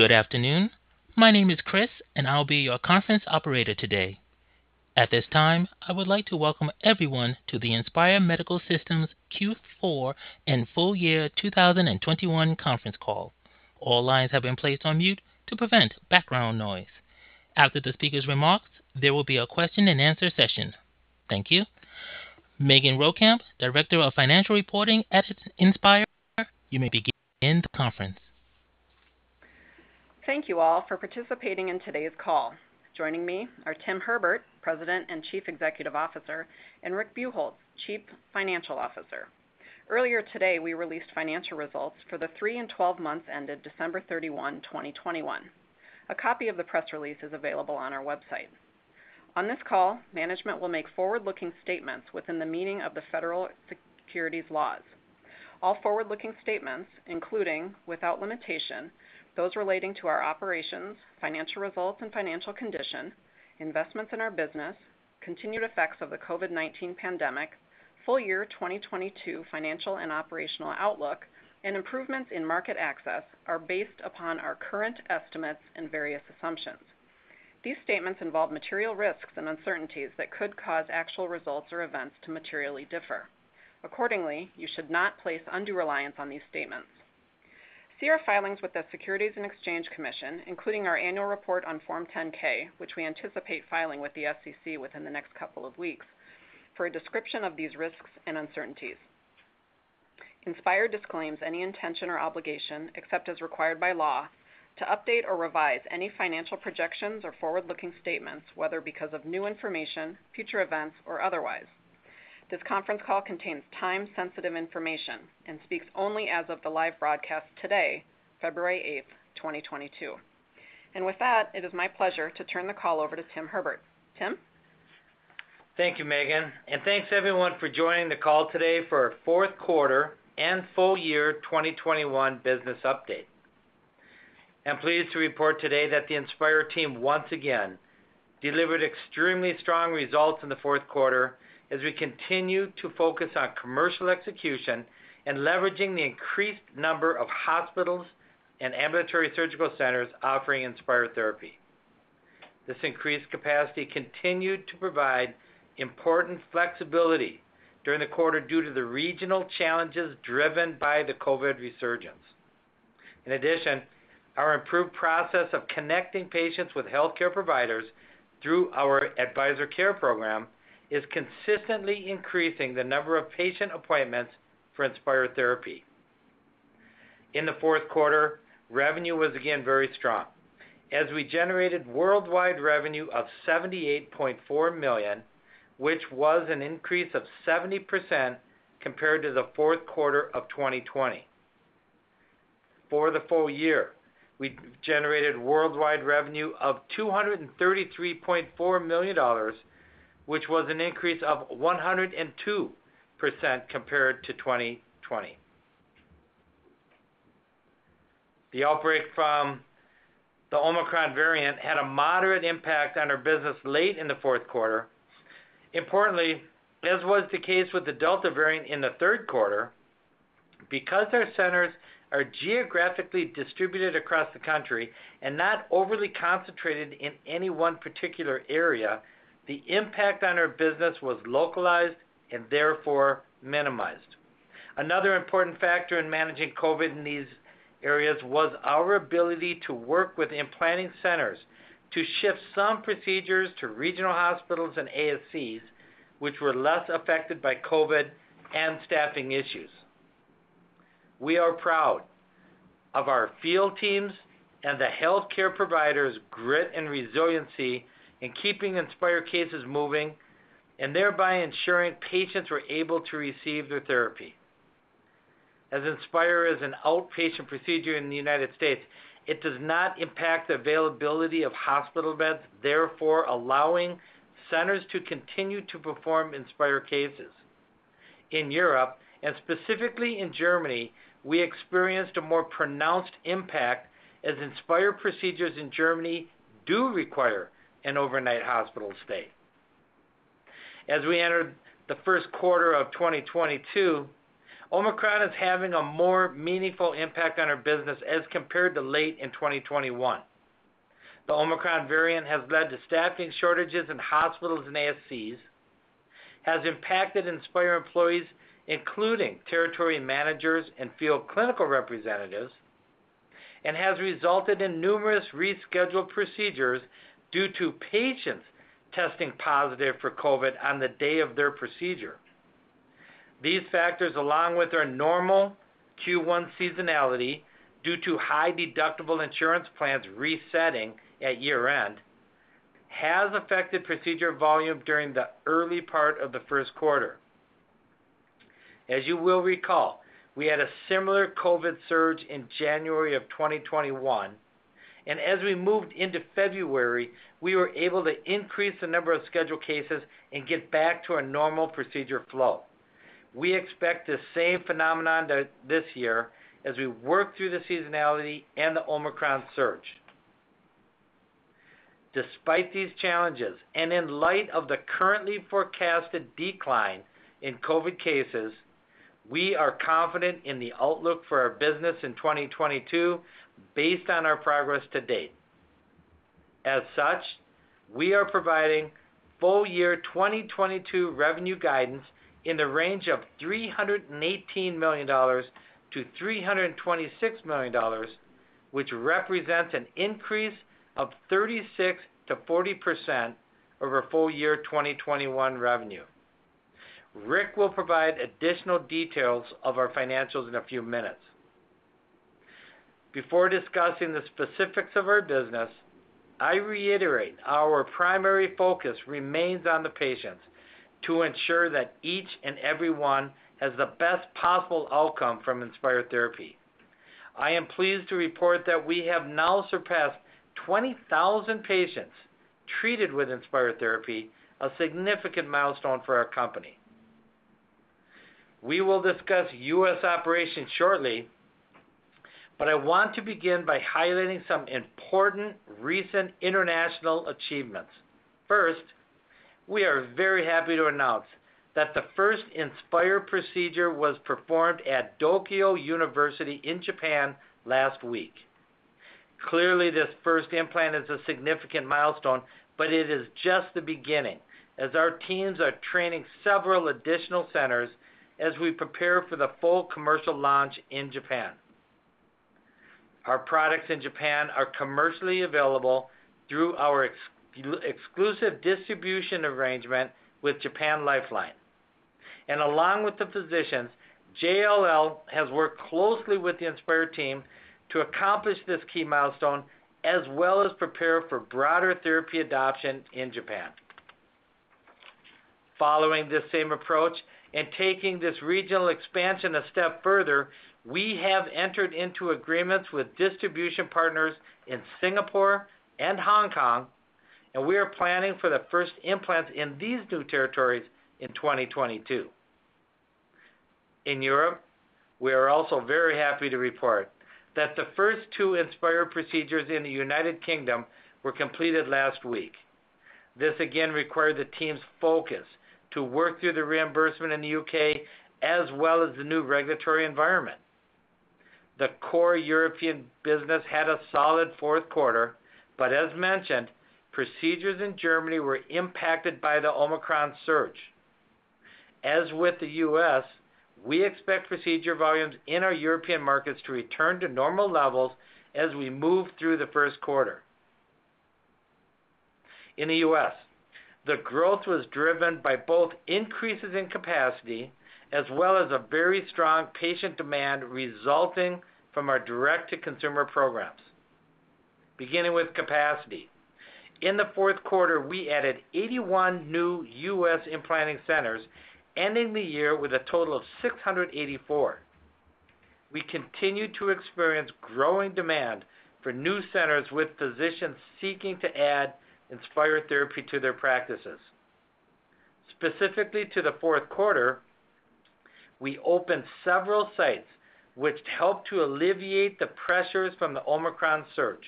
Good afternoon. My name is Chris, and I'll be your conference operator today. At this time, I would like to welcome everyone to the Inspire Medical Systems Q4 and full-year 2021 conference call. All lines have been placed on mute to prevent background noise. After the speaker's remarks, there will be a question-and-answer session. Thank you. Megan Rowekamp, Director of Financial Reporting at Inspire, you may begin the conference. Thank you all for participating in today's call. Joining me are Tim Herbert, President and Chief Executive Officer, and Rick Buchholz, Chief Financial Officer. Earlier today, we released financial results for the three and 12 months ended December 31, 2021. A copy of the press release is available on our website. On this call, management will make forward-looking statements within the meaning of the federal securities laws. All forward-looking statements, including, without limitation, those relating to our operations, financial results and financial condition, investments in our business, continued effects of the COVID-19 pandemic, full-year 2022 financial and operational outlook, and improvements in market access are based upon our current estimates and various assumptions. These statements involve material risks and uncertainties that could cause actual results or events to materially differ. Accordingly, you should not place undue reliance on these statements. See our filings with the Securities and Exchange Commission, including our annual report on Form 10-K, which we anticipate filing with the SEC within the next couple of weeks, for a description of these risks and uncertainties. Inspire disclaims any intention or obligation, except as required by law, to update or revise any financial projections or forward-looking statements, whether because of new information, future events, or otherwise. This conference call contains time-sensitive information and speaks only as of the live broadcast today, February eighth, twenty twenty-two. With that, it is my pleasure to turn the call over to Tim Herbert. Tim? Thank you, Megan. Thanks everyone for joining the call today for our fourth quarter and full-year 2021 business update. I'm pleased to report today that the Inspire team once again delivered extremely strong results in the fourth quarter as we continue to focus on commercial execution and leveraging the increased number of hospitals and ambulatory surgical centers offering Inspire therapy. This increased capacity continued to provide important flexibility during the quarter due to the regional challenges driven by the COVID resurgence. In addition, our improved process of connecting patients with healthcare providers through our Advisor Care Program is consistently increasing the number of patient appointments for Inspire therapy. In the fourth quarter, revenue was again very strong as we generated worldwide revenue of $78.4 million, which was an increase of 70% compared to the fourth quarter of 2020. For the full-year, we generated worldwide revenue of $233.4 million, which was an increase of 102% compared to 2020. The outbreak from the Omicron variant had a moderate impact on our business late in the fourth quarter. Importantly, as was the case with the Delta variant in the third quarter, because our centers are geographically distributed across the country and not overly concentrated in any one particular area, the impact on our business was localized and therefore minimized. Another important factor in managing COVID in these areas was our ability to work with implanting centers to shift some procedures to regional hospitals and ASCs, which were less affected by COVID and staffing issues. We are proud of our field teams and the healthcare providers' grit and resiliency in keeping Inspire cases moving and thereby ensuring patients were able to receive their therapy. As Inspire is an outpatient procedure in the United States, it does not impact the availability of hospital beds, therefore allowing centers to continue to perform Inspire cases. In Europe, and specifically in Germany, we experienced a more pronounced impact as Inspire procedures in Germany do require an overnight hospital stay. As we entered the first quarter of 2022, Omicron is having a more meaningful impact on our business as compared to late in 2021. The Omicron variant has led to staffing shortages in hospitals and ASCs, has impacted Inspire employees, including territory managers and field clinical representatives, and has resulted in numerous rescheduled procedures due to patients testing positive for COVID on the day of their procedure. These factors, along with our normal Q1 seasonality due to high deductible insurance plans resetting at year-end, has affected procedure volume during the early part of the first quarter. As you will recall, we had a similar COVID surge in January of 2021, and as we moved into February, we were able to increase the number of scheduled cases and get back to our normal procedure flow. We expect the same phenomenon this year as we work through the seasonality and the Omicron surge. Despite these challenges, and in light of the currently forecasted decline in COVID cases, we are confident in the outlook for our business in 2022 based on our progress to date. As such, we are providing full-year 2022 revenue guidance in the range of $318 million-$326 million, which represents an increase of 36%-40% over full-year 2021 revenue. Rick will provide additional details of our financials in a few minutes. Before discussing the specifics of our business, I reiterate our primary focus remains on the patients to ensure that each and every one has the best possible outcome from Inspire therapy. I am pleased to report that we have now surpassed 20,000 patients treated with Inspire therapy, a significant milestone for our company. We will discuss U.S. operations shortly, but I want to begin by highlighting some important recent international achievements. First, we are very happy to announce that the first Inspire procedure was performed at Tokai University in Japan last week. Clearly, this first implant is a significant milestone, but it is just the beginning as our teams are training several additional centers as we prepare for the full commercial launch in Japan. Our products in Japan are commercially available through our exclusive distribution arrangement with Japan Lifeline. Along with the physicians, JLL has worked closely with the Inspire team to accomplish this key milestone as well as prepare for broader therapy adoption in Japan. Following this same approach and taking this regional expansion a step further, we have entered into agreements with distribution partners in Singapore and Hong Kong, and we are planning for the first implants in these new territories in 2022. In Europe, we are also very happy to report that the first two Inspire procedures in the United Kingdom were completed last week. This again required the team's focus to work through the reimbursement in the U.K. as well as the new regulatory environment. The core European business had a solid fourth quarter, but as mentioned, procedures in Germany were impacted by the Omicron surge. As with the U.S., we expect procedure volumes in our European markets to return to normal levels as we move through the first quarter. In the U.S., the growth was driven by both increases in capacity as well as a very strong patient demand resulting from our direct-to-consumer programs. Beginning with capacity, in the fourth quarter, we added 81 new U.S. implanting centers, ending the year with a total of 684. We continue to experience growing demand for new centers with physicians seeking to add Inspire therapy to their practices. Specifically to the fourth quarter, we opened several sites which help to alleviate the pressures from the Omicron surge.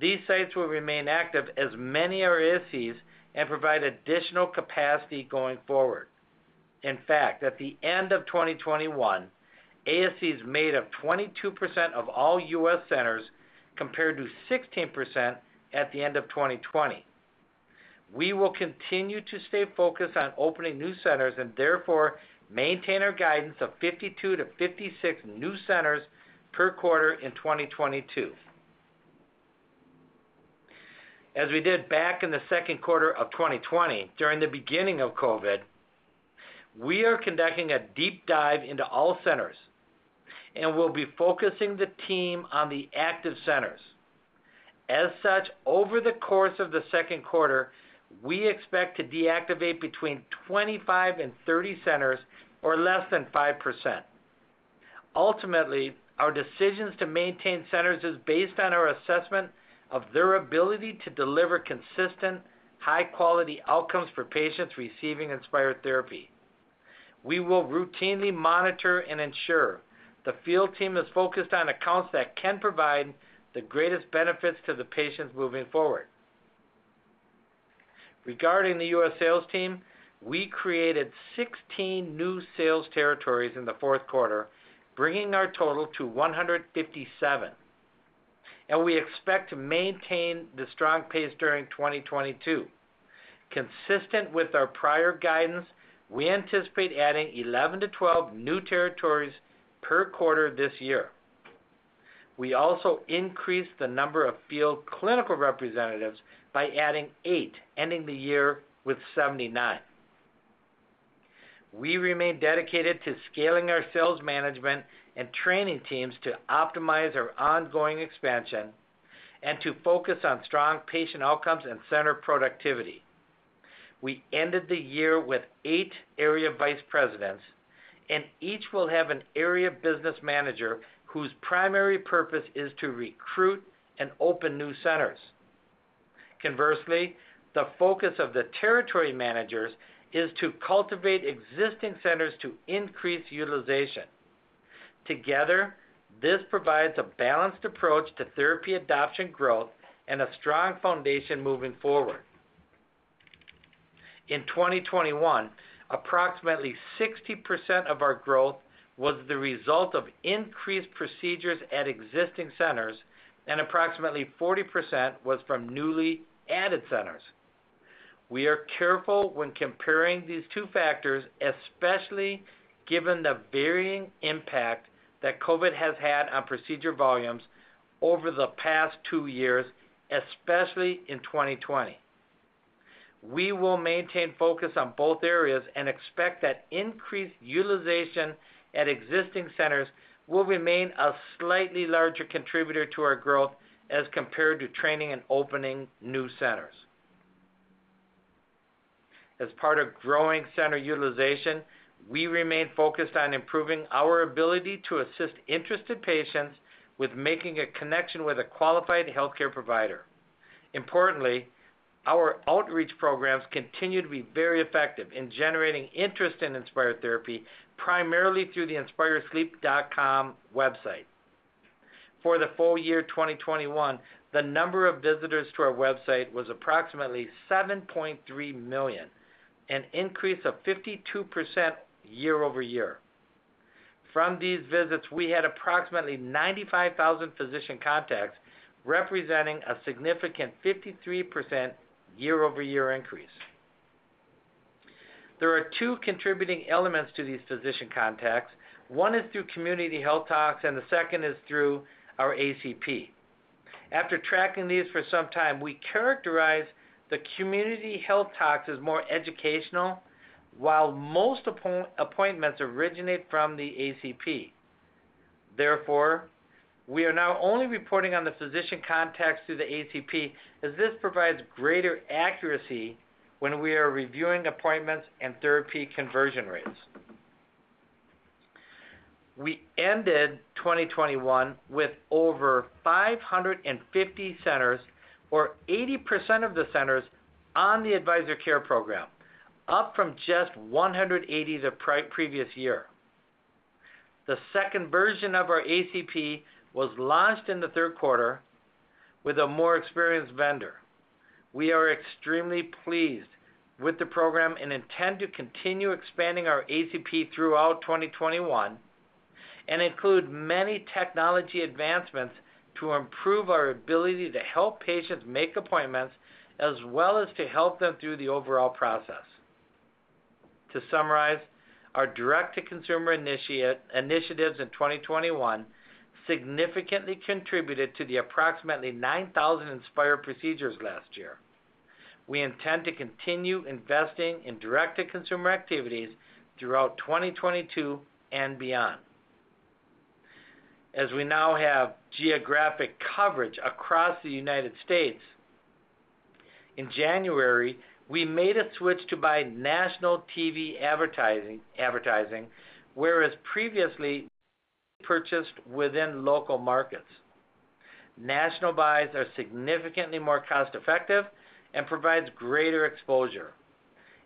These sites will remain active as many are ASCs and provide additional capacity going forward. In fact, at the end of 2021, ASCs made up 22% of all U.S. centers, compared to 16% at the end of 2020. We will continue to stay focused on opening new centers and therefore maintain our guidance of 52-56 new centers per quarter in 2022. As we did back in the second quarter of 2020 during the beginning of COVID, we are conducting a deep dive into all centers, and we'll be focusing the team on the active centers. As such, over the course of the second quarter, we expect to deactivate between 25 and 30 centers or less than 5%. Ultimately, our decisions to maintain centers is based on our assessment of their ability to deliver consistent, high quality outcomes for patients receiving Inspire therapy. We will routinely monitor and ensure the field team is focused on accounts that can provide the greatest benefits to the patients moving forward. Regarding the U.S. sales team, we created 16 new sales territories in the fourth quarter, bringing our total to 157, and we expect to maintain the strong pace during 2022. Consistent with our prior guidance, we anticipate adding 11-12 new territories per quarter this year. We also increased the number of field clinical representatives by adding eight, ending the year with 79. We remain dedicated to scaling our sales management and training teams to optimize our ongoing expansion and to focus on strong patient outcomes and center productivity. We ended the year with eight area vice presidents, and each will have an area business manager whose primary purpose is to recruit and open new centers. Conversely, the focus of the territory managers is to cultivate existing centers to increase utilization. Together, this provides a balanced approach to therapy adoption growth and a strong foundation moving forward. In 2021, approximately 60% of our growth was the result of increased procedures at existing centers, and approximately 40% was from newly added centers. We are careful when comparing these two factors, especially given the varying impact that COVID has had on procedure volumes over the past two years, especially in 2020. We will maintain focus on both areas and expect that increased utilization at existing centers will remain a slightly larger contributor to our growth as compared to training and opening new centers. As part of growing center utilization, we remain focused on improving our ability to assist interested patients with making a connection with a qualified healthcare provider. Importantly, our outreach programs continue to be very effective in generating interest in Inspire therapy, primarily through the inspiresleep.com website. For the full-year 2021, the number of visitors to our website was approximately 7.3 million, an increase of 52% year-over-year. From these visits, we had approximately 95,000 physician contacts, representing a significant 53% year-over-year increase. There are two contributing elements to these physician contacts. One is through community health talks, and the second is through our ACP. After tracking these for some time, we characterize the community health talks as more educational. While most appointments originate from the ACP. Therefore, we are now only reporting on the physician contacts through the ACP, as this provides greater accuracy when we are reviewing appointments and therapy conversion rates. We ended 2021 with over 550 centers or 80% of the centers on the Advisor Care Program, up from just 180 the previous year. The second version of our ACP was launched in the third quarter with a more experienced vendor. We are extremely pleased with the program and intend to continue expanding our ACP throughout 2021, and include many technology advancements to improve our ability to help patients make appointments as well as to help them through the overall process. To summarize, our direct to consumer initiatives in 2021 significantly contributed to the approximately 9,000 Inspire procedures last year. We intend to continue investing in direct to consumer activities throughout 2022 and beyond. As we now have geographic coverage across the United States, in January, we made a switch to buy national TV advertising, whereas previously purchased within local markets. National buys are significantly more cost-effective and provides greater exposure.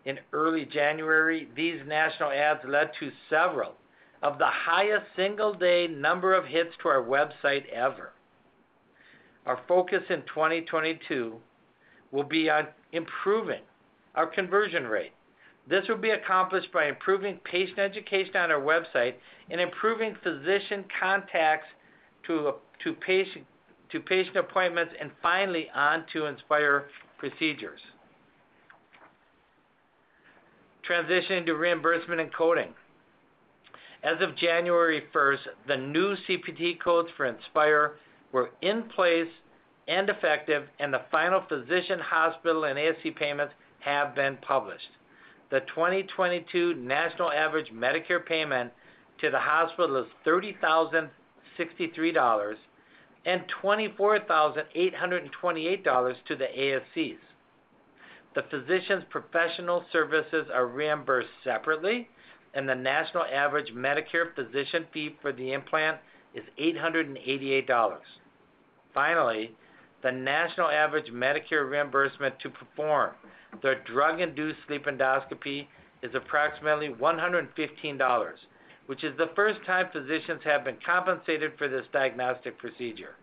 In early January, these national ads led to several of the highest single day number of hits to our website ever. Our focus in 2022 will be on improving our conversion rate. This will be accomplished by improving patient education on our website and improving physician contacts to patient appointments, and finally, on to Inspire procedures. Transitioning to reimbursement and coding. As of January 1st, the new CPT codes for Inspire were in place and effective, and the final physician, hospital, and ASC payments have been published. The 2022 national average Medicare payment to the hospital is $30,063 and $24,828 to the ASCs. The physician's professional services are reimbursed separately, and the national average Medicare physician fee for the implant is $888. Finally, the national average Medicare reimbursement to perform the drug-induced sleep endoscopy is approximately $115, which is the first time physicians have been compensated for this diagnostic procedure.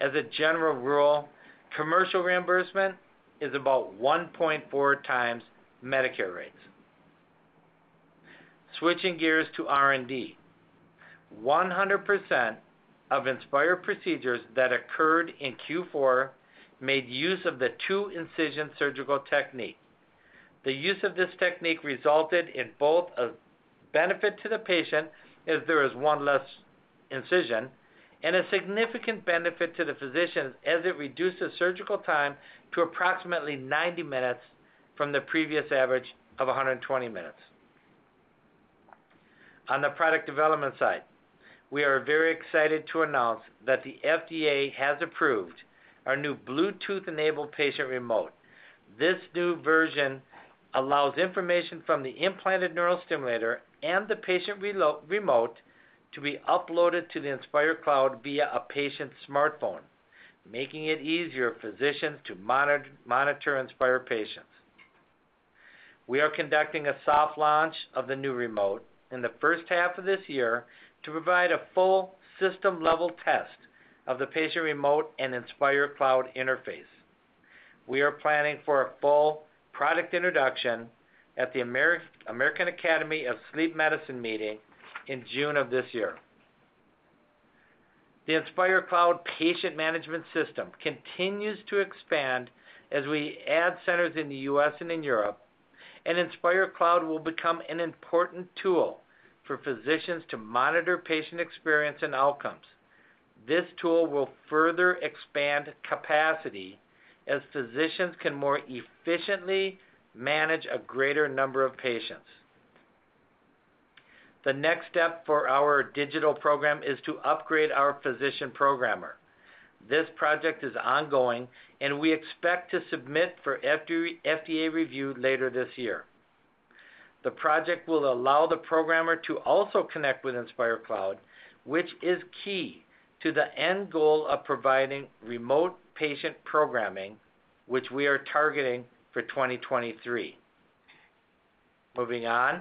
As a general rule, commercial reimbursement is about 1.4x Medicare rates. Switching gears to R&D. 100% of Inspire procedures that occurred in Q4 made use of the two-incision surgical technique. The use of this technique resulted in both a benefit to the patient as there is one less incision, and a significant benefit to the physician, as it reduces surgical time to approximately 90 minutes from the previous average of 120 minutes. On the product development side, we are very excited to announce that the FDA has approved our new Bluetooth-enabled patient remote. This new version allows information from the implanted neurostimulator and the patient remote to be uploaded to the Inspire Cloud via a patient's smartphone, making it easier for physicians to monitor Inspire patients. We are conducting a soft launch of the new remote in the first half of this year to provide a full system-level test of the patient remote and Inspire Cloud interface. We are planning for a full product introduction at the American Academy of Sleep Medicine meeting in June of this year. The Inspire Cloud Patient Management System continues to expand as we add centers in the U.S. and in Europe, and Inspire Cloud will become an important tool for physicians to monitor patient experience and outcomes. This tool will further expand capacity as physicians can more efficiently manage a greater number of patients. The next step for our digital program is to upgrade our physician programmer. This project is ongoing, and we expect to submit for FDA review later this year. The project will allow the programmer to also connect with Inspire Cloud, which is key to the end goal of providing remote patient programming, which we are targeting for 2023. Moving on,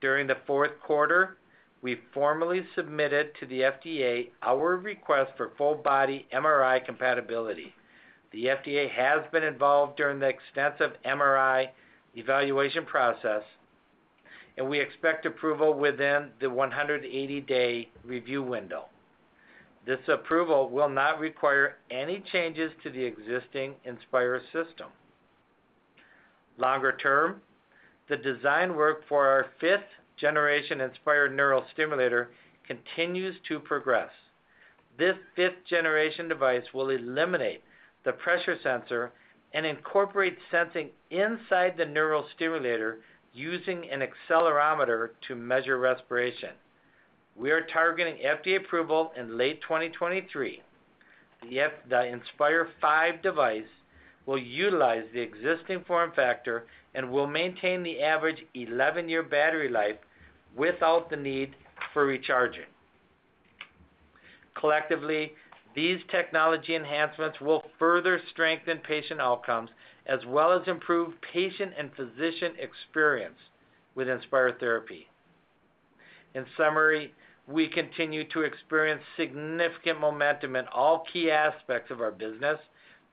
during the fourth quarter, we formally submitted to the FDA our request for full-body MRI compatibility. The FDA has been involved during the extensive MRI evaluation process, and we expect approval within the 180-day review window. This approval will not require any changes to the existing Inspire system. Longer term, the design work for our fifth-generation Inspire neurostimulator continues to progress. This fifth-generation device will eliminate the pressure sensor and incorporate sensing inside the neurostimulator using an accelerometer to measure respiration. We are targeting FDA approval in late 2023. The Inspire V device will utilize the existing form factor and will maintain the average 11-year battery life without the need for recharging. Collectively, these technology enhancements will further strengthen patient outcomes as well as improve patient and physician experience with Inspire therapy. In summary, we continue to experience significant momentum in all key aspects of our business,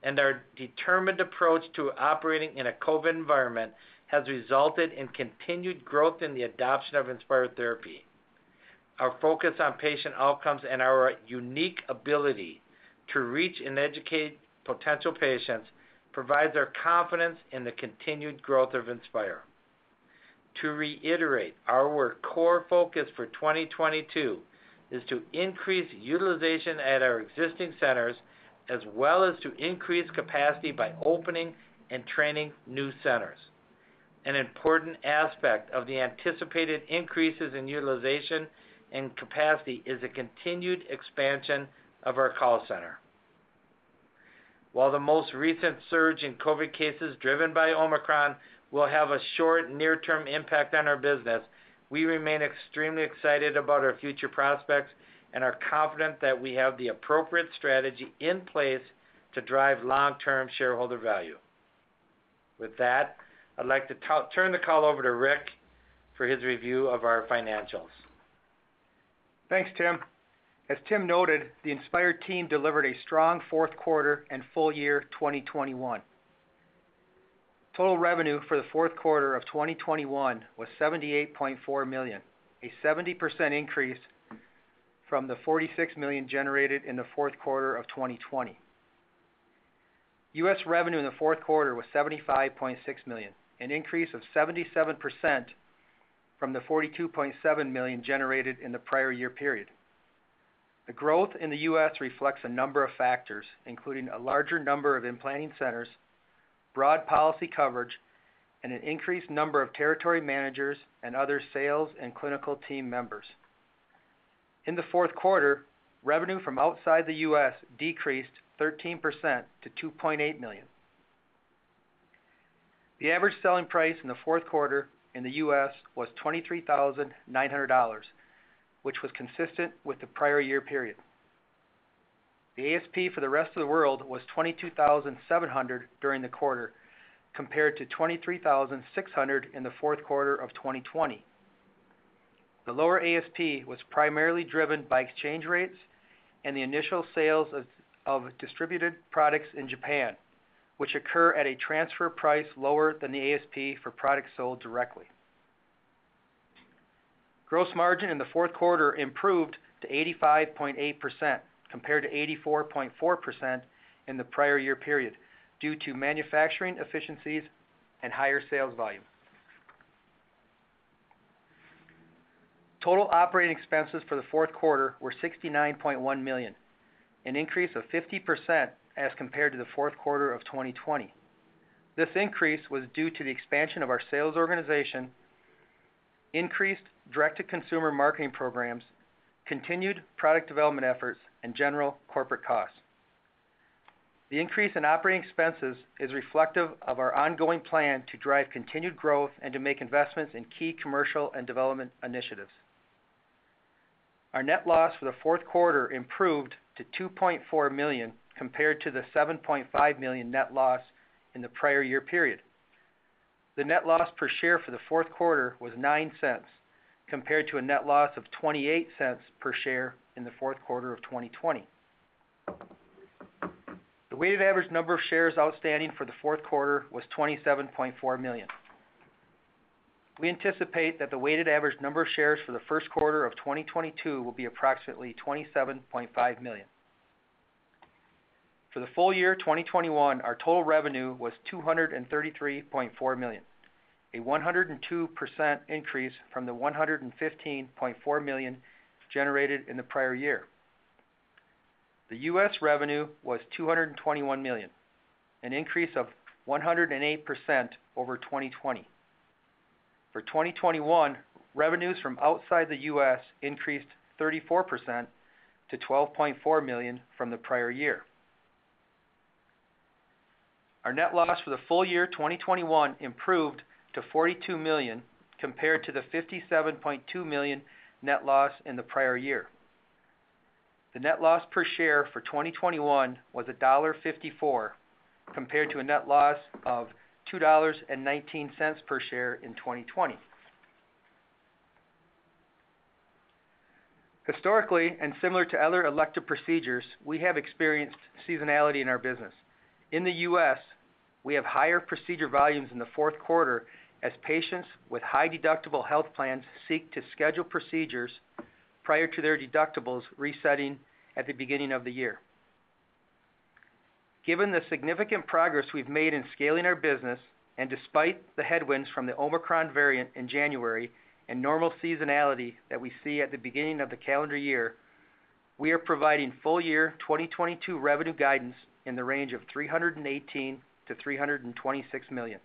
and our determined approach to operating in a COVID environment has resulted in continued growth in the adoption of Inspire therapy. Our focus on patient outcomes and our unique ability to reach and educate potential patients provides our confidence in the continued growth of Inspire. To reiterate, our core focus for 2022 is to increase utilization at our existing centers, as well as to increase capacity by opening and training new centers. An important aspect of the anticipated increases in utilization and capacity is the continued expansion of our call center. While the most recent surge in COVID cases driven by Omicron will have a short near-term impact on our business, we remain extremely excited about our future prospects and are confident that we have the appropriate strategy in place to drive long-term shareholder value. With that, I'd like to turn the call over to Rick for his review of our financials. Thanks, Tim. As Tim noted, the Inspire team delivered a strong fourth quarter and full-year 2021. Total revenue for the fourth quarter of 2021 was $78.4 million, a 70% increase from the $46 million generated in the fourth quarter of 2020. U.S. revenue in the fourth quarter was $75.6 million, an increase of 77% from the $42.7 million generated in the prior year period. The growth in the U.S. reflects a number of factors, including a larger number of implanting centers, broad policy coverage, and an increased number of territory managers and other sales and clinical team members. In the fourth quarter, revenue from outside the U.S. decreased 13% to $2.8 million. The average selling price in the fourth quarter in the U.S. was $23,900, which was consistent with the prior year period. The ASP for the rest of the world was $22,700 during the quarter, compared to $23,600 in the fourth quarter of 2020. The lower ASP was primarily driven by exchange rates and the initial sales of distributed products in Japan, which occur at a transfer price lower than the ASP for products sold directly. Gross margin in the fourth quarter improved to 85.8% compared to 84.4% in the prior year period due to manufacturing efficiencies and higher sales volume. Total operating expenses for the fourth quarter were $69.1 million, an increase of 50% as compared to the fourth quarter of 2020. This increase was due to the expansion of our sales organization, increased direct-to-consumer marketing programs, continued product development efforts, and general corporate costs. The increase in operating expenses is reflective of our ongoing plan to drive continued growth and to make investments in key commercial and development initiatives. Our net loss for the fourth quarter improved to $2.4 million, compared to the $7.5 million net loss in the prior year period. The net loss per share for the fourth quarter was $0.09, compared to a net loss of $0.28 per share in the fourth quarter of 2020. The weighted average number of shares outstanding for the fourth quarter was 27.4 million. We anticipate that the weighted average number of shares for the first quarter of 2022 will be approximately 27.5 million. For the full-year 2021, our total revenue was $233.4 million, a 102% increase from the $115.4 million generated in the prior year. The U.S. revenue was $221 million, an increase of 108% over 2020. For 2021, revenues from outside the U.S. increased 34% to $12.4 million from the prior year. Our net loss for the full-year 2021 improved to $42 million, compared to the $57.2 million net loss in the prior year. The net loss per share for 2021 was $1.54, compared to a net loss of $2.19 per share in 2020. Historically, similar to other elective procedures, we have experienced seasonality in our business. In the U.S., we have higher procedure volumes in the fourth quarter as patients with high deductible health plans seek to schedule procedures prior to their deductibles resetting at the beginning of the year. Given the significant progress we've made in scaling our business, and despite the headwinds from the Omicron variant in January and normal seasonality that we see at the beginning of the calendar year, we are providing full-year 2022 revenue guidance in the range of $318 million-$326 million,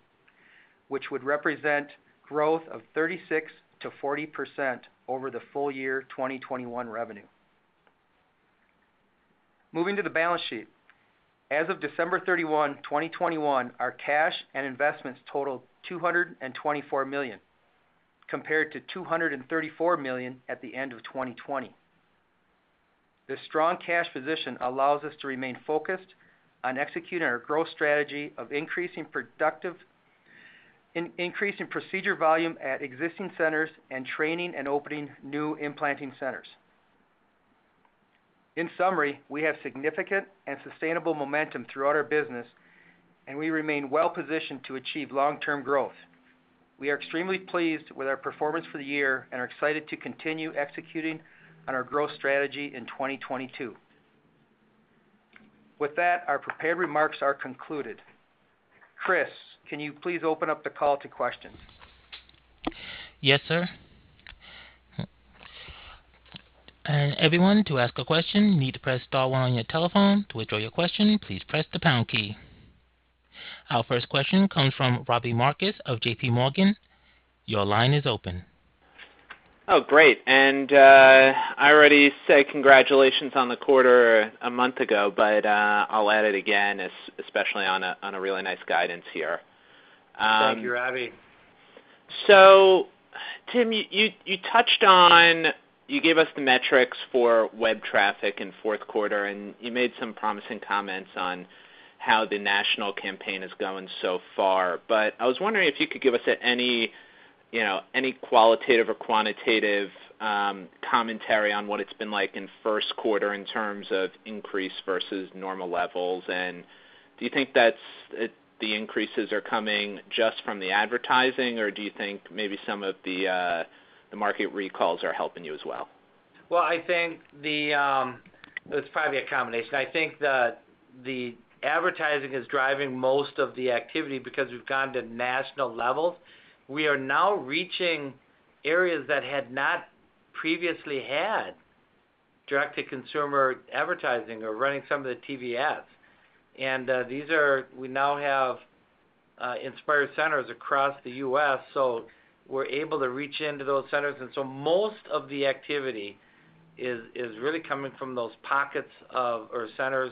which would represent growth of 36%-40% over the full-year 2021 revenue. Moving to the balance sheet. As of December 31, 2021, our cash and investments totaled $224 million, compared to $234 million at the end of 2020. This strong cash position allows us to remain focused on executing our growth strategy of increasing procedure volume at existing centers and training and opening new implanting centers. In summary, we have significant and sustainable momentum throughout our business, and we remain well positioned to achieve long-term growth. We are extremely pleased with our performance for the year and are excited to continue executing on our growth strategy in 2022. With that, our prepared remarks are concluded. Chris, can you please open up the call to questions? Yes, sir. Everyone, to ask a question, you need to press star one on your telephone. To withdraw your question, please press the pound key. Our first question comes from Robbie Marcus of JPMorgan. Your line is open. Oh, great. I already said congratulations on the quarter a month ago, but I'll add it again, especially on a really nice guidance here. Thank you, Robbie. Tim, you touched on, you gave us the metrics for web traffic in fourth quarter, and you made some promising comments on how the national campaign is going so far. I was wondering if you could give us any, you know, any qualitative or quantitative commentary on what it's been like in first quarter in terms of increase versus normal levels. Do you think the increases are coming just from the advertising, or do you think maybe some of the market recalls are helping you as well? Well, I think it's probably a combination. I think the advertising is driving most of the activity because we've gone to national levels. We are now reaching areas that had not previously had direct-to-consumer advertising or running some of the TV ads. We now have Inspire centers across the U.S., so we're able to reach into those centers. Most of the activity is really coming from those or centers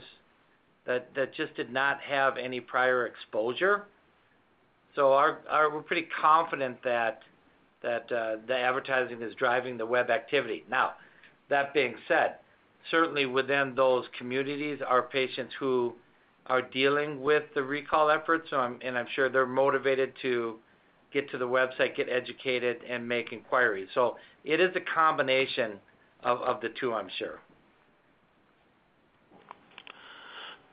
that just did not have any prior exposure. We're pretty confident that the advertising is driving the web activity. Now, that being said, certainly within those communities are patients who are dealing with the recall efforts, and I'm sure they're motivated to get to the website, get educated and make inquiries. It is a combination of the two, I'm sure.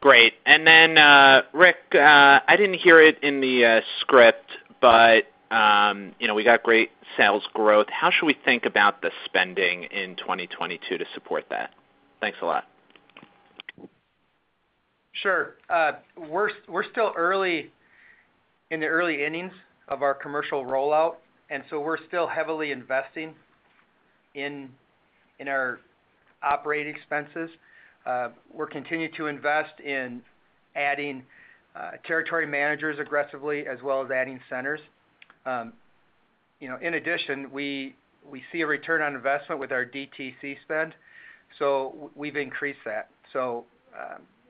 Great. Rick, I didn't hear it in the script, but you know, we got great sales growth. How should we think about the spending in 2022 to support that? Thanks a lot. Sure. We're still early in the early innings of our commercial rollout, and we're still heavily investing in our operating expenses. We're continuing to invest in adding territory managers aggressively as well as adding centers. You know, in addition, we see a return on investment with our DTC spend, so we've increased that.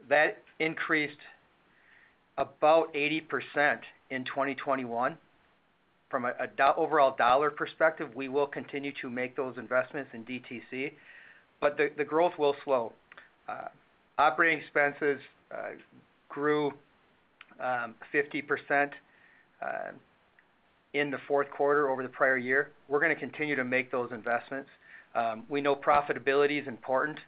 That increased about 80% in 2021. From an overall dollar perspective, we will continue to make those investments in DTC, but the growth will slow. Operating expenses grew 50% in the fourth quarter over the prior year. We're gonna continue to make those investments. We know profitability is important.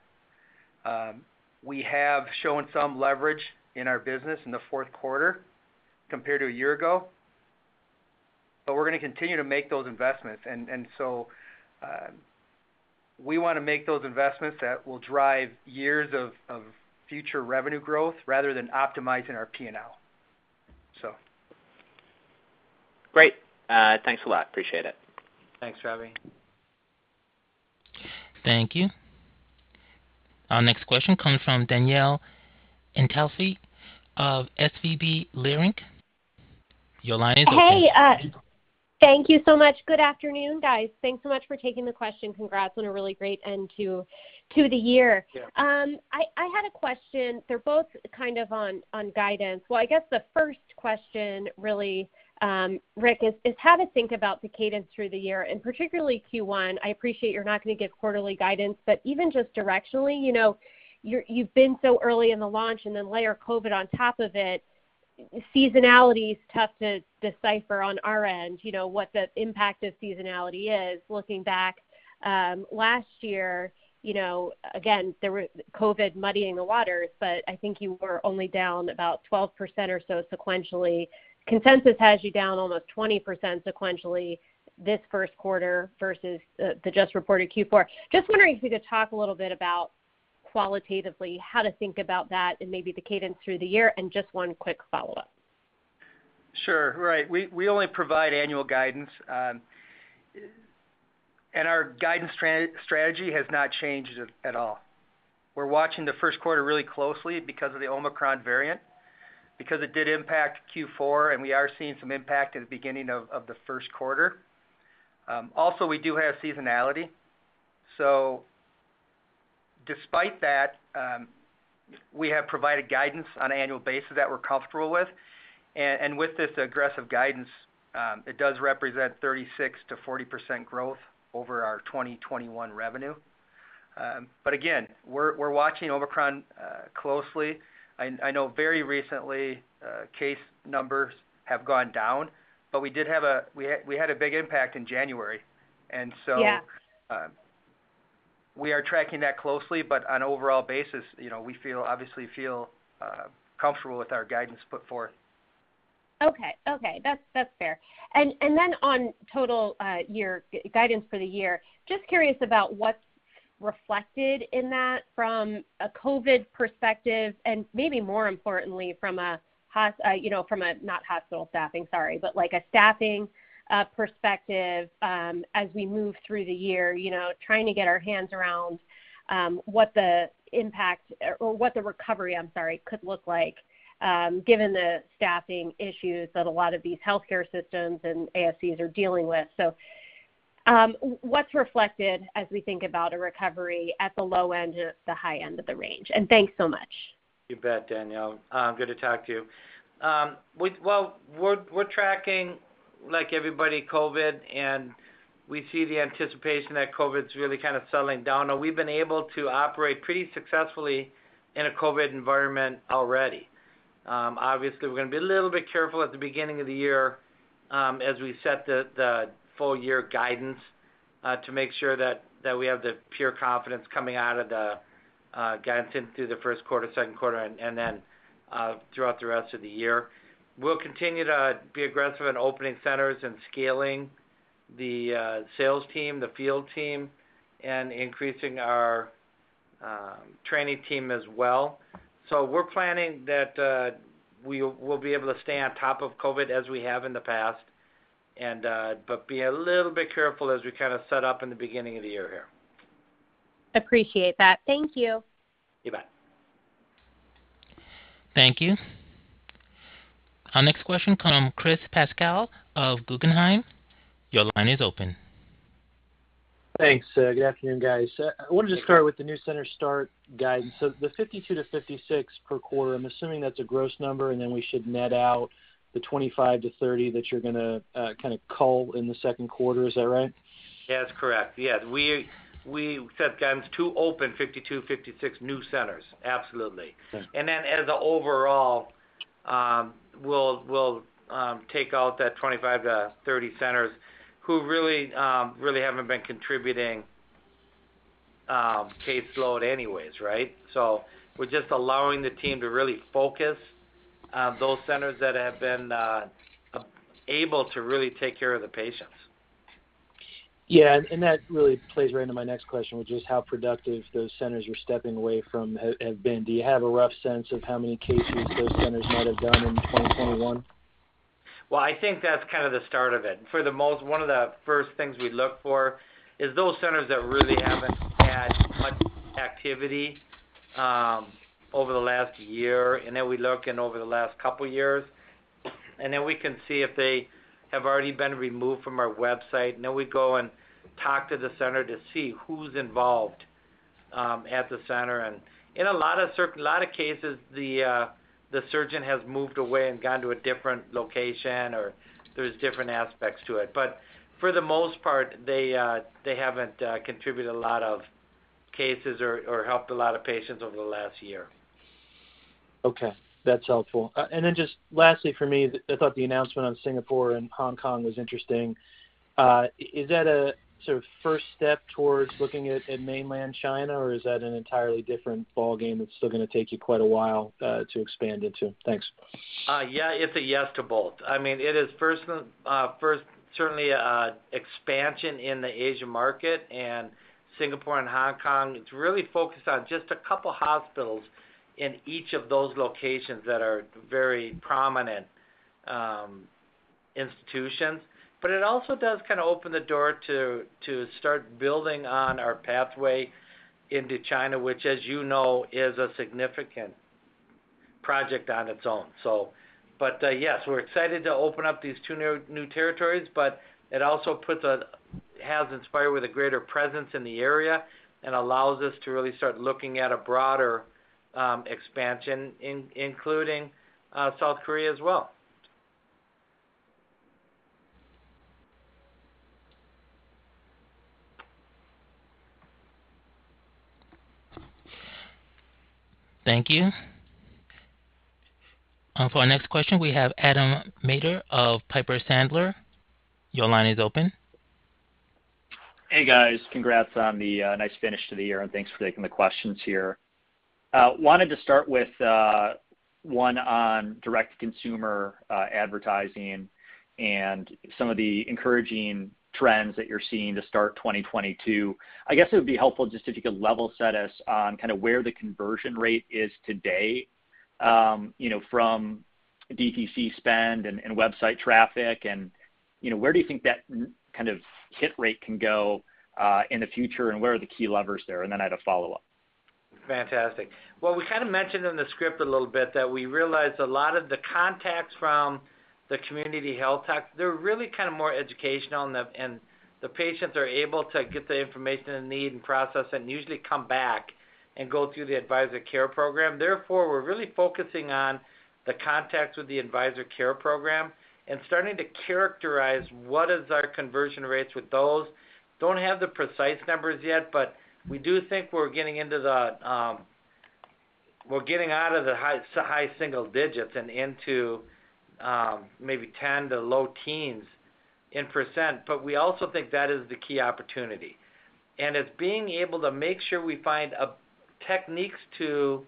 We have shown some leverage in our business in the fourth quarter compared to a year ago, but we're gonna continue to make those investments. We want to make those investments that will drive years of future revenue growth rather than optimizing our P&L. Great. Thanks a lot. Appreciate it. Thanks, Robbie. Thank you. Our next question comes from Danielle Antalffy of SVB Leerink. Your line is open. Hey. Thank you so much. Good afternoon, guys. Thanks so much for taking the question. Congrats on a really great end to the year. Yeah. I had a question. They're both kind of on guidance. Well, I guess the first question really, Rick, is how to think about the cadence through the year, and particularly Q1. I appreciate you're not gonna give quarterly guidance, but even just directionally, you know, you've been so early in the launch and then layer COVID on top of it. Seasonality is tough to decipher on our end, you know, what the impact of seasonality is. Looking back, last year, you know, again, there were COVID muddying the waters, but I think you were only down about 12% or so sequentially. Consensus has you down almost 20% sequentially this first quarter versus the just reported Q4. Just wondering if you could talk a little bit about qualitatively how to think about that and maybe the cadence through the year. Just one quick follow-up. Sure. Right. We only provide annual guidance, and our guidance strategy has not changed at all. We're watching the first quarter really closely because of the Omicron variant, because it did impact Q4, and we are seeing some impact at the beginning of the first quarter. Also, we do have seasonality. Despite that, we have provided guidance on an annual basis that we're comfortable with. With this aggressive guidance, it does represent 36%-40% growth over our 2021 revenue. Again, we're watching Omicron closely. I know very recently case numbers have gone down, but we did have a big impact in January. Yeah We are tracking that closely, but on overall basis, you know, we feel obviously comfortable with our guidance put forth. Okay. That's fair. Then on total guidance for the year, just curious about what's reflected in that from a COVID perspective and maybe more importantly from a, you know, from a, not hospital staffing, sorry, but like a staffing perspective, as we move through the year. You know, trying to get our hands around, what the impact or what the recovery, I'm sorry, could look like, given the staffing issues that a lot of these healthcare systems and ASCs are dealing with. What's reflected as we think about a recovery at the low end to the high end of the range? Thanks so much. You bet, Danielle. Good to talk to you. We're tracking, like everybody, COVID, and we see the anticipation that COVID's really kind of settling down. Now, we've been able to operate pretty successfully in a COVID environment already. Obviously, we're gonna be a little bit careful at the beginning of the year, as we set the full-year guidance, to make sure that we have the full confidence coming out of the guidance in through the first quarter, second quarter, and then throughout the rest of the year. We'll continue to be aggressive in opening centers and scaling the sales team, the field team, and increasing our training team as well. We're planning that we will be able to stay on top of COVID as we have in the past and but be a little bit careful as we kind of set up in the beginning of the year here. Appreciate that. Thank you. You bet. Thank you. Our next question comes from Chris Pasquale of Guggenheim. Your line is open. Thanks. Good afternoon, guys. I wanted to start with the new center start guidance. The 52-56 per quarter, I'm assuming that's a gross number, and then we should net out the 25-30 that you're gonna kinda cull in the second quarter. Is that right? That's correct. Yes. We set guidance to open 52-56 new centers. Absolutely. Okay. As an overall, we'll take out that 25-30 centers who really haven't been contributing caseload anyways, right? We're just allowing the team to really focus on those centers that have been able to really take care of the patients. Yeah. That really plays right into my next question, which is how productive those centers you're stepping away from have been. Do you have a rough sense of how many cases those centers might have done in 2021? Well, I think that's kind of the start of it. One of the first things we look for is those centers that really haven't had much activity over the last year, and then we look back over the last couple years, and then we can see if they have already been removed from our website. Then we go and talk to the center to see who's involved at the center. In a lot of cases, the surgeon has moved away and gone to a different location, or there's different aspects to it. For the most part, they haven't contributed a lot of cases or helped a lot of patients over the last year. Okay. That's helpful. Just lastly for me, I thought the announcement on Singapore and Hong Kong was interesting. Is that a sort of first step towards looking at mainland China, or is that an entirely different ballgame that's still gonna take you quite a while to expand into? Thanks. Yeah, it's a yes to both. I mean, it is first certainly expansion in the Asian market and Singapore and Hong Kong. It's really focused on just a couple hospitals in each of those locations that are very prominent institutions. It also does kinda open the door to start building on our pathway into China, which as you know is a significant project on its own. Yes, we're excited to open up these two new territories, but it also has Inspire with a greater presence in the area and allows us to really start looking at a broader expansion including South Korea as well. Thank you. For our next question, we have Adam Maeder of Piper Sandler. Your line is open. Hey, guys. Congrats on the nice finish to the year, and thanks for taking the questions here. Wanted to start with one on direct consumer advertising and some of the encouraging trends that you're seeing to start 2022. I guess it would be helpful just if you could level set us on kinda where the conversion rate is today, you know, from DTC spend and website traffic and, you know, where do you think that kind of hit rate can go in the future, and where are the key levers there? Then I have a follow-up. Fantastic. Well, we kinda mentioned in the script a little bit that we realized a lot of the contacts from the community health talks, they're really kinda more educational, and the patients are able to get the information they need and process it and usually come back and go through the Advisor Care program. Therefore, we're really focusing on the contacts with the Advisor Care program and starting to characterize what is our conversion rates with those. Don't have the precise numbers yet, but we do think we're getting into the, we're getting out of the high single digits and into, maybe 10% to low teens. But we also think that is the key opportunity. It's being able to make sure we find techniques to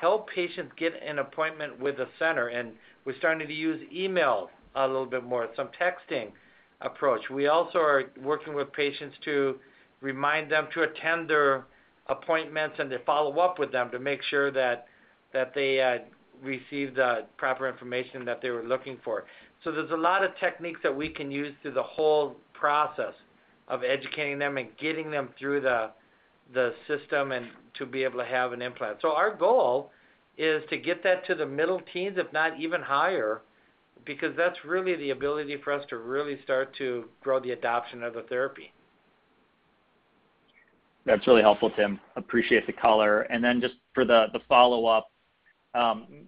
help patients get an appointment with the center, and we're starting to use email a little bit more, some texting approach. We also are working with patients to remind them to attend their appointments and to follow up with them to make sure that they receive the proper information that they were looking for. There's a lot of techniques that we can use through the whole process of educating them and getting them through the system and to be able to have an implant. Our goal is to get that to the middle teens, if not even higher, because that's really the ability for us to really start to grow the adoption of the therapy. That's really helpful, Tim. Appreciate the color. Then just for the follow-up,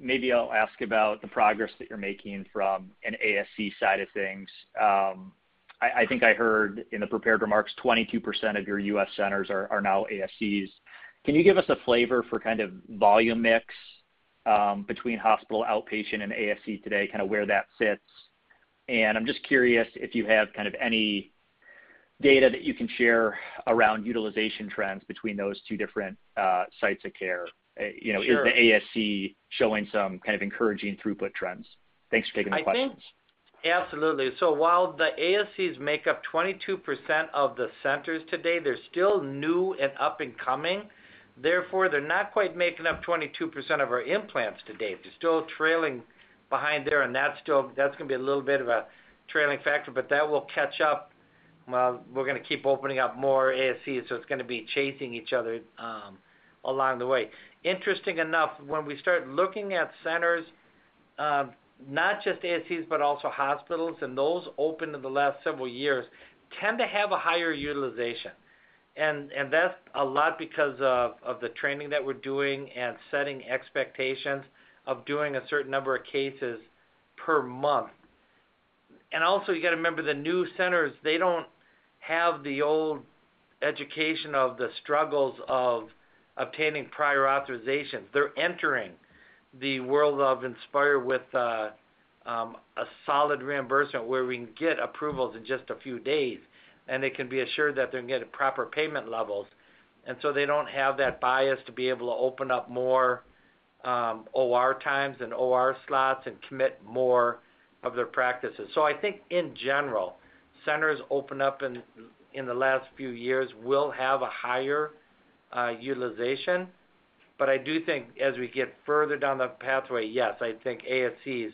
maybe I'll ask about the progress that you're making from an ASC side of things. I think I heard in the prepared remarks, 22% of your U.S. centers are now ASCs. Can you give us a flavor for kind of volume mix between hospital, outpatient and ASC today, kinda where that sits? I'm just curious if you have kind of any data that you can share around utilization trends between those two different sites of care, you know? Sure. Is the ASC showing some kind of encouraging throughput trends? Thanks for taking the questions. Absolutely. While the ASCs make up 22% of the centers today, they're still new and up and coming. Therefore, they're not quite making up 22% of our implants today. They're still trailing behind there, and that's gonna be a little bit of a trailing factor, but that will catch up. Well, we're gonna keep opening up more ASCs, so it's gonna be chasing each other along the way. Interesting enough, when we start looking at centers, not just ASCs, but also hospitals and those open in the last several years tend to have a higher utilization. That's a lot because of the training that we're doing and setting expectations of doing a certain number of cases per month. Also, you gotta remember, the new centers, they don't have the old education of the struggles of obtaining prior authorizations. They're entering the world of Inspire with a solid reimbursement where we can get approvals in just a few days, and they can be assured that they're gonna get proper payment levels. They don't have that bias to be able to open up more OR times and OR slots and commit more of their practices. I think in general, centers opened up in the last few years will have a higher utilization. I do think as we get further down the pathway, yes, I think ASCs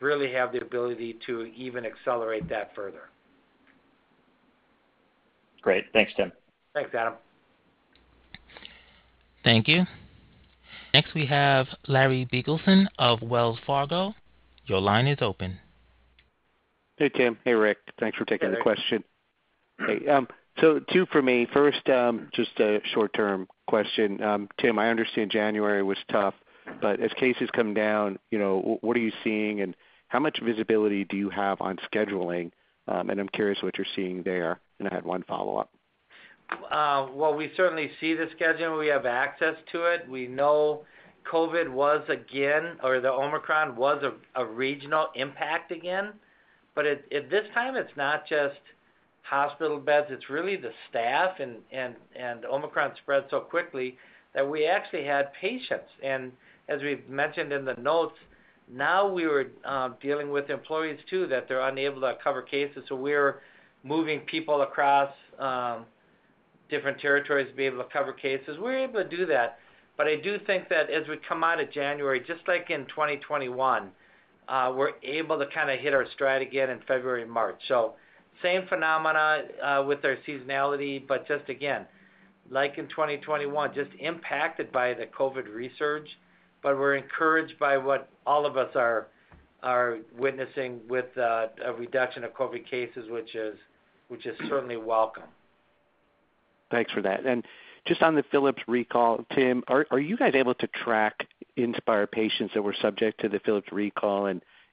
really have the ability to even accelerate that further. Great. Thanks, Tim. Thanks, Adam. Thank you. Next, we have Larry Biegelsen of Wells Fargo. Your line is open. Hey, Tim. Hey, Rick. Thanks for taking the question. Hey, Larry. Hey, two for me. First, just a short-term question. Tim, I understand January was tough, but as cases come down, what are you seeing, and how much visibility do you have on scheduling? I'm curious what you're seeing there. I had one follow-up. Well, we certainly see the scheduling. We have access to it. We know COVID was again or the Omicron was a regional impact again. At this time, it's not just hospital beds, it's really the staff. Omicron spread so quickly that we actually had patients. As we've mentioned in the notes, now we were dealing with employees too that they're unable to cover cases. We're moving people across different territories to be able to cover cases. We're able to do that. I do think that as we come out of January, just like in 2021, we're able to kind of hit our stride again in February and March. Same phenomena with our seasonality, but just again, like in 2021, just impacted by the COVID resurgence. We're encouraged by what all of us are witnessing with a reduction of COVID cases, which is certainly welcome. Thanks for that. Just on the Philips recall, Tim, are you guys able to track Inspire patients that were subject to the Philips recall?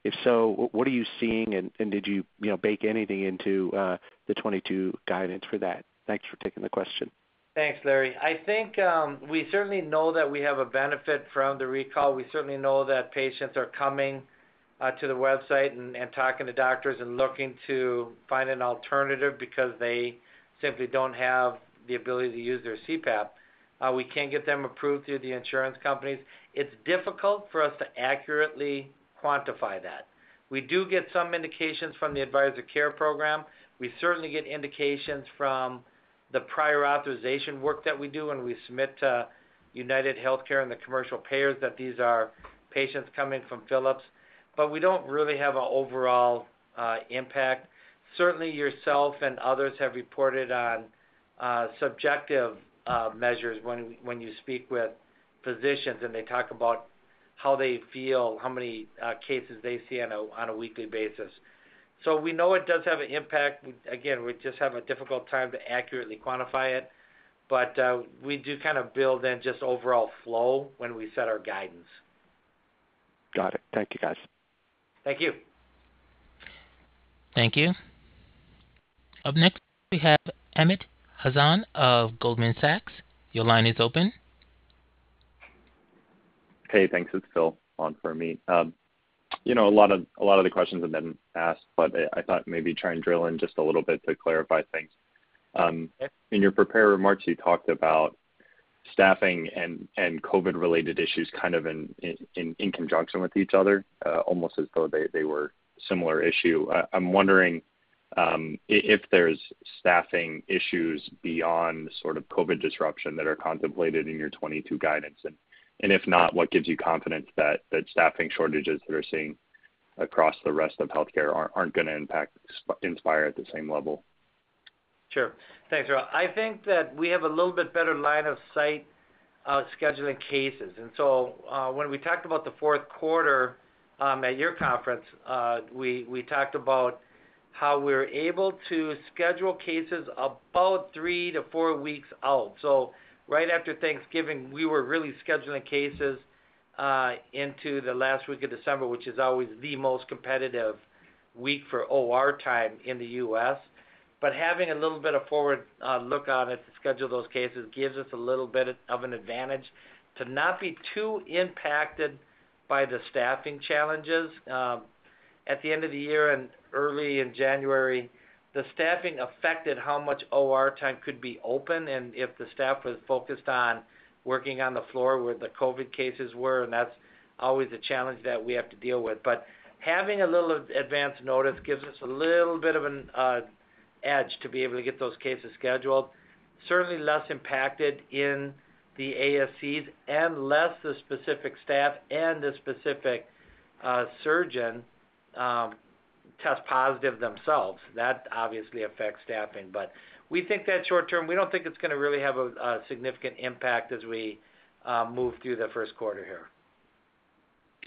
If so, what are you seeing, and did you know, bake anything into the 2022 guidance for that? Thanks for taking the question. Thanks, Larry. I think we certainly know that we have a benefit from the recall. We certainly know that patients are coming to the website and talking to doctors and looking to find an alternative because they simply don't have the ability to use their CPAP. We can get them approved through the insurance companies. It's difficult for us to accurately quantify that. We do get some indications from the Advisor Care Program. We certainly get indications from the prior authorization work that we do when we submit to UnitedHealthcare and the commercial payers that these are patients coming from Philips. But we don't really have an overall impact. Certainly, yourself and others have reported on subjective measures when you speak with physicians, and they talk about how they feel, how many cases they see on a weekly basis. We know it does have an impact. We again just have a difficult time to accurately quantify it. We do kind of build in just overall flow when we set our guidance. Got it. Thank you, guys. Thank you. Thank you. Up next, we have Amit Hazan of Goldman Sachs. Your line is open. Hey, thanks. It's Phil on for Amit. You know, a lot of the questions have been asked, but I thought maybe try and drill in just a little bit to clarify things. Yeah. In your prepared remarks, you talked about staffing and COVID-related issues kind of in conjunction with each other, almost as though they were similar issue. I'm wondering if there's staffing issues beyond sort of COVID disruption that are contemplated in your 2022 guidance. If not, what gives you confidence that staffing shortages that we're seeing across the rest of healthcare aren't gonna impact Inspire at the same level? Sure. Thanks, Phil. I think that we have a little bit better line of sight scheduling cases. When we talked about the fourth quarter at your conference, we talked about how we're able to schedule cases about three-four weeks out. Right after Thanksgiving, we were really scheduling cases into the last week of December, which is always the most competitive week for OR time in the U.S. Having a little bit of forward look on it to schedule those cases gives us a little bit of an advantage to not be too impacted by the staffing challenges. At the end of the year and early in January, the staffing affected how much OR time could be open, and if the staff was focused on working on the floor where the COVID cases were, and that's always a challenge that we have to deal with. Having a little advance notice gives us a little bit of an edge to be able to get those cases scheduled. Certainly less impacted in the ASCs and less the specific staff and the specific surgeon test positive themselves. That obviously affects staffing. We think that short-term, we don't think it's gonna really have a significant impact as we move through the first quarter here.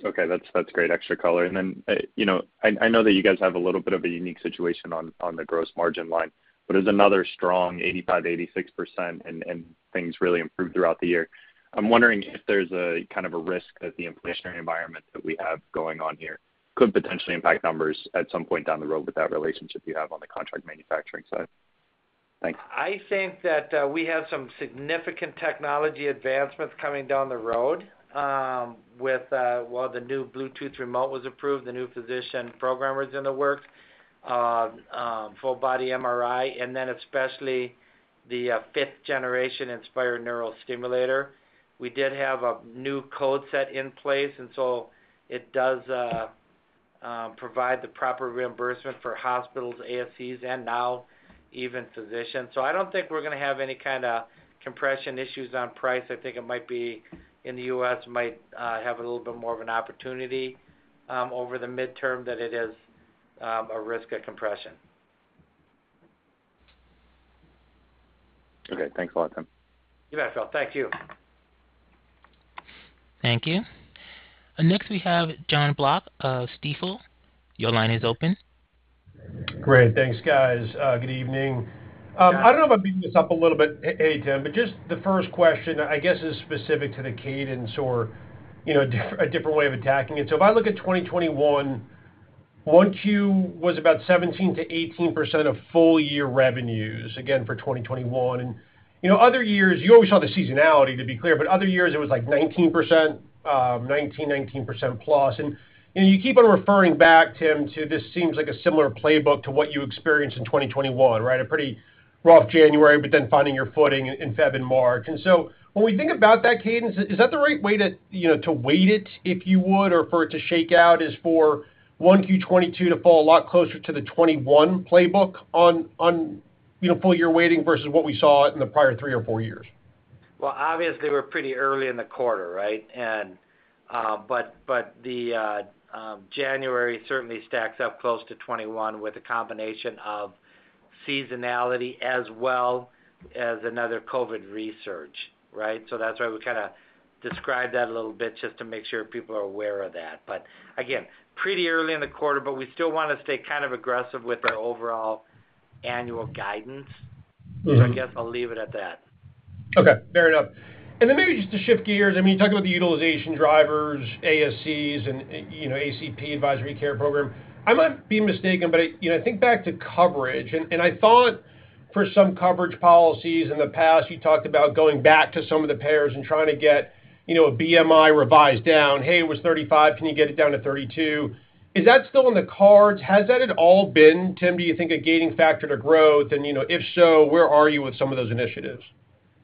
Okay. That's great extra color. Then, you know, I know that you guys have a little bit of a unique situation on the gross margin line, but it's another strong 85%-86% and things really improved throughout the year. I'm wondering if there's a kind of a risk that the inflationary environment that we have going on here could potentially impact numbers at some point down the road with that relationship you have on the contract manufacturing side. Thanks. I think that we have some significant technology advancements coming down the road, with well, the new Bluetooth remote was approved, the new physician programmer's in the works, full-body MRI, and then especially the fifth-generation Inspire neurostimulator. We did have a new code set in place, and so it does provide the proper reimbursement for hospitals, ASCs, and now even physicians. I don't think we're gonna have any kinda compression issues on price. I think it might be in the U.S. might have a little bit more of an opportunity over the midterm than it is a risk of compression. Okay, thanks a lot, Tim. You bet, Phil. Thank you. Thank you. Next we have Jon Block of Stifel. Your line is open. Great. Thanks, guys. Good evening. I don't know if I'm beating this up a little bit. Hey Tim, but just the first question I guess is specific to the cadence or, you know, a different way of attacking it. If I look at 2021, Q1 was about 17%-18% of full-year revenues, again for 2021. You know, other years, you always saw the seasonality to be clear, but other years it was like 19%, 19%+. You know, you keep on referring back, Tim, to this seems like a similar playbook to what you experienced in 2021, right? A pretty rough January, but then finding your footing in February and March. When we think about that cadence, is that the right way to, you know, to weight it, if you would, or for it to shake out is for Q1 2022 to fall a lot closer to the 2021 playbook on, you know, full-year weighting versus what we saw in the prior three or four years? Well, obviously we're pretty early in the quarter, right? January certainly stacks up close to 2021 with a combination of seasonality as well as another COVID resurgence, right? That's why we kinda described that a little bit just to make sure people are aware of that. Again, pretty early in the quarter, but we still wanna stay kind of aggressive with our overall annual guidance. Mm-hmm. I guess I'll leave it at that. Okay, fair enough. Maybe just to shift gears, I mean, you talk about the utilization drivers, ASCs and you know, ACP, Advisor Care Program. I might be mistaken, but I, you know, think back to coverage and I thought for some coverage policies in the past, you talked about going back to some of the payers and trying to get, you know, a BMI revised down. "Hey, it was 35, can you get it down to 32?" Is that still in the cards? Has that at all been, Tim, do you think a gaining factor to growth? You know, if so, where are you with some of those initiatives?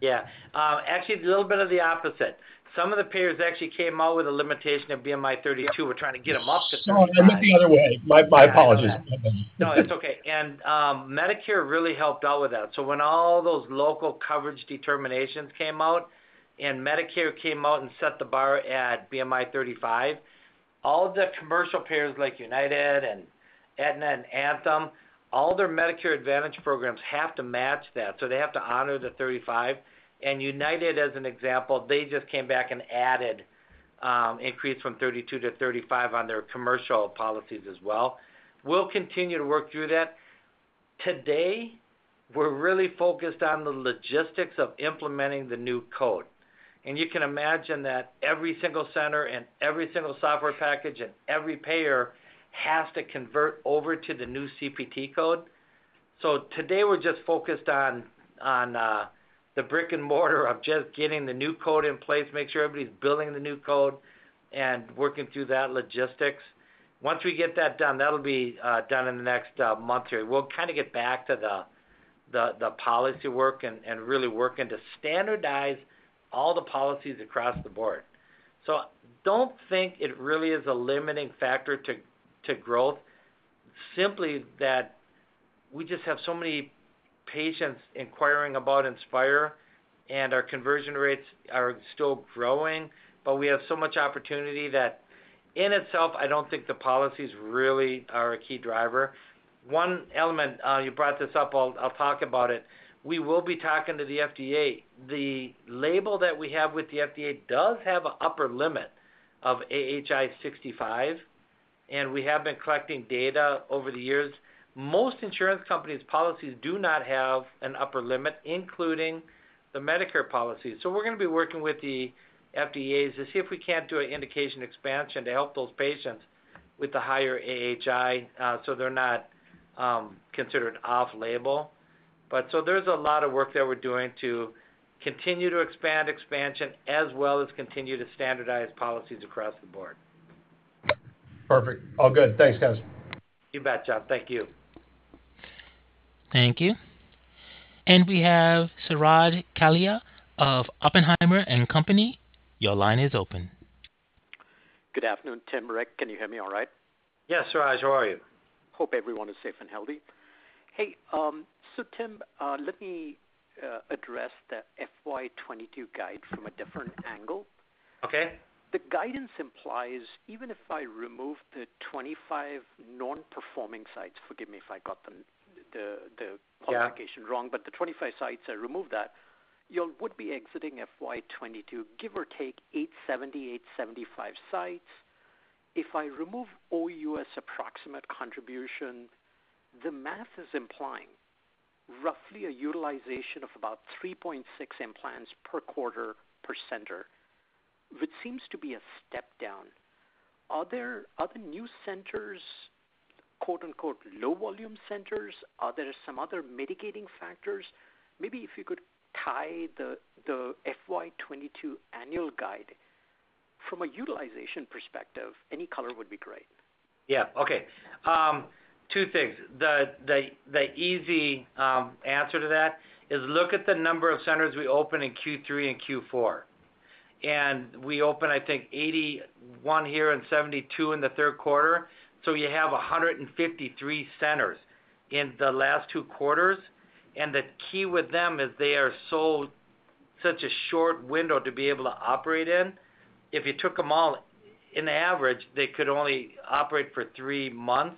Yeah. Actually it's a little bit of the opposite. Some of the payers actually came out with a limitation of BMI 32. We're trying to get them up to 35. It went the other way. My apologies. No, it's okay. Medicare really helped out with that. When all those Local Coverage Determinations came out and Medicare came out and set the bar at BMI 35, all the commercial payers like United and Aetna and Anthem, all their Medicare Advantage programs have to match that. They have to honor the 35. United, as an example, they just came back and added increase from 32-35 on their commercial policies as well. We'll continue to work through that. Today, we're really focused on the logistics of implementing the new code. You can imagine that every single center and every single software package and every payer has to convert over to the new CPT code. Today we're just focused on the brick and mortar of just getting the new code in place, make sure everybody's billing the new code and working through that logistics. Once we get that done, that'll be done in the next month or so. We'll kinda get back to the policy work and really work to standardize all the policies across the board. Don't think it really is a limiting factor to growth, simply that we just have so many patients inquiring about Inspire and our conversion rates are still growing, but we have so much opportunity that in itself, I don't think the policies really are a key driver. One element you brought this up, I'll talk about it. We will be talking to the FDA. The label that we have with the FDA does have an upper limit of AHI 65, and we have been collecting data over the years. Most insurance companies' policies do not have an upper limit, including the Medicare policy. We're gonna be working with the FDA to see if we can't do an indication expansion to help those patients with the higher AHI, so they're not considered off-label. There's a lot of work that we're doing to continue to expand as well as continue to standardize policies across the board. Perfect. All good. Thanks, guys. You bet, Jon. Thank you. Thank you. We have Suraj Kalia of Oppenheimer & Co. Your line is open. Good afternoon, Tim, Rick. Can you hear me all right? Yes, Suraj. How are you? Hope everyone is safe and healthy. Hey, Tim, let me address the FY 2022 guide from a different angle. Okay. The guidance implies even if I remove the 25 non-performing sites, forgive me if I got them. Yeah The qualification wrong, but the 25 sites, I remove that, you would be exiting FY 2022, give or take 870-875 sites. If I remove all U.S. approximate contribution, the math is implying roughly a utilization of about 3.6 implants per quarter per center, which seems to be a step down. Are there other new centers, quote-unquote, "low volume centers"? Are there some other mitigating factors? Maybe if you could tie the FY 2022 annual guide from a utilization perspective, any color would be great. Yeah. Okay. Two things. The easy answer to that is look at the number of centers we opened in Q3 and Q4. We opened, I think, 81 here and 72 in the third quarter. You have 153 centers in the last two quarters. The key with them is they are so short a window to be able to operate in. If you took them all on average, they could only operate for three months,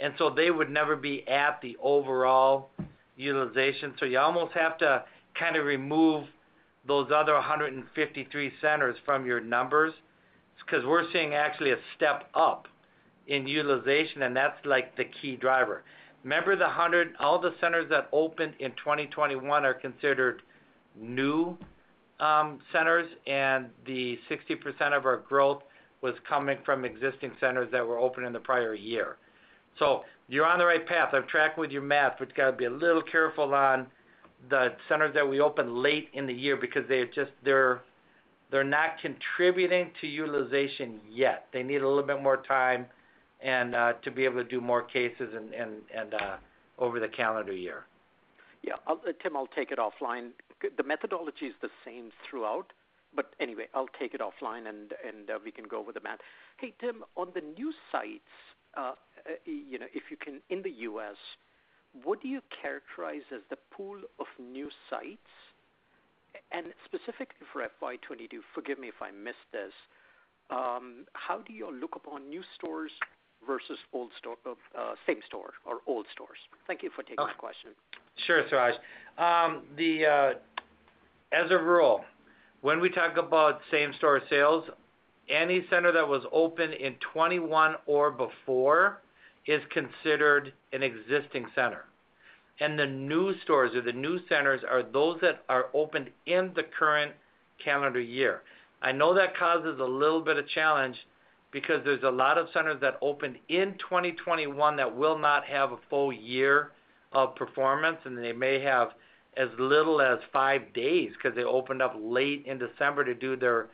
and so they would never be at the overall utilization. You almost have to kind of remove those other 153 centers from your numbers, because we're seeing actually a step up in utilization, and that's like the key driver. Remember the 100, all the centers that opened in 2021 are considered new centers, and the 60% of our growth was coming from existing centers that were open in the prior year. You're on the right path. I've tracked with your math. We've got to be a little careful on the centers that we open late in the year because they've just, they're not contributing to utilization yet. They need a little bit more time and to be able to do more cases and over the calendar year. Yeah. Tim, I'll take it offline. The methodology is the same throughout, but anyway, I'll take it offline and we can go over the math. Hey, Tim, on the new sites, you know, if you can, in the U.S., what do you characterize as the pool of new sites? Specifically for FY 2022, forgive me if I missed this, how do you look upon new stores versus old store, same stores or old stores? Thank you for taking my question. Sure, Raj. As a rule, when we talk about same store sales, any center that was open in 2021 or before is considered an existing center. The new stores or the new centers are those that are opened in the current calendar year. I know that causes a little bit of challenge because there's a lot of centers that opened in 2021 that will not have a full-year of performance, and they may have as little as five days because they opened up late in December to do their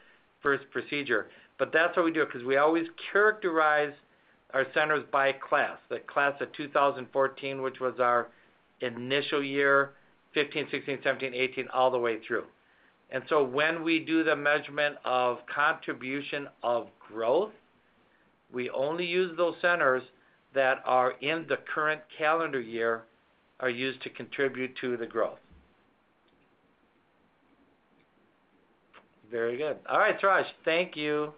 first procedure. That's how we do it, because we always characterize our centers by class. The class of 2014, which was our initial year, 2015, 2016, 2017, 2018, all the way through. When we do the measurement of contribution of growth, we only use those centers that are in the current calendar year are used to contribute to the growth. Very good. All right, Suraj Kalia. Thank you,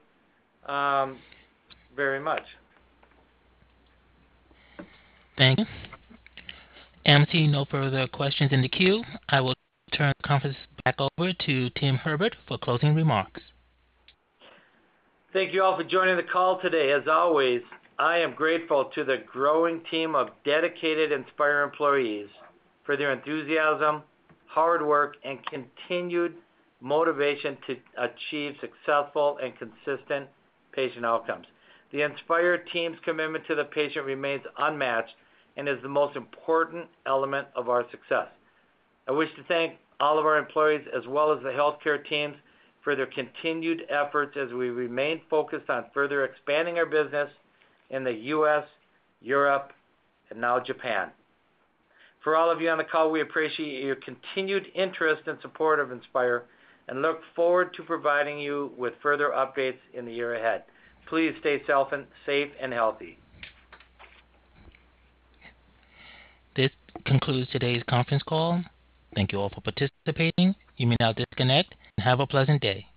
very much. Thank you. I'm seeing no further questions in the queue. I will turn the conference back over to Tim Herbert for closing remarks. Thank you all for joining the call today as always. I am grateful to the growing team of dedicated Inspire employees for their enthusiasm, hard work, and continued motivation to achieve successful and consistent patient outcomes. The Inspire team's commitment to the patient remains unmatched and is the most important element of our success. I wish to thank all of our employees as well as the healthcare teams for their continued efforts as we remain focused on further expanding our business in the U.S., Europe, and now Japan. For all of you on the call, we appreciate your continued interest and support of Inspire and look forward to providing you with further updates in the year ahead. Please stay safe and healthy. This concludes today's conference call. Thank you all for participating. You may now disconnect, and have a pleasant day.